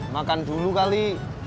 makan dulu kali